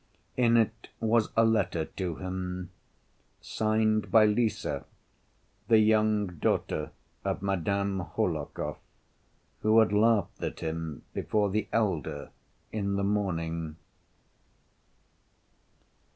In it was a letter to him, signed by Lise, the young daughter of Madame Hohlakov, who had laughed at him before the elder in the morning.